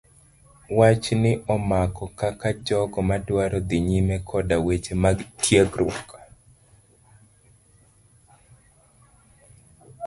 Wach ni omako kaka jogo madwaro dhi nyime koda weche mag tiegruok.